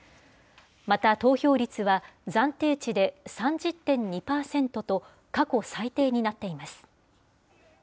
また、投票率は暫定値で３０．２％と、過去最低になっています。